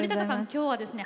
今日はですね